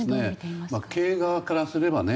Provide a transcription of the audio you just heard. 経営側からすればね